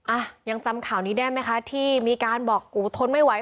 อ่ะยังจำข่าวนี้ได้ไหมคะที่มีการบอกกูทนไม่ไหว